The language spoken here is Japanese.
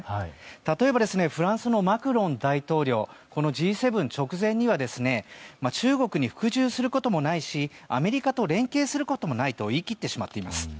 例えばフランスのマクロン大統領このＧ７直前には中国に服従することもないしアメリカと連携することもないと言い切ってしまっています。